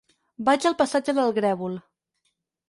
Vaig al passatge del Grèvol.